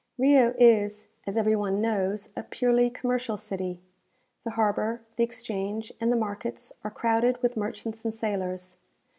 Rio is, as every one knows, a purely commercial city. The harbour, the exchange, and the markets are crowded with merchants and sailors.